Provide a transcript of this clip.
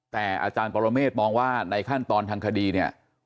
แต่อาจารย์ปรเมฆมองว่าในขั้นตอนทางคดีเนี่ย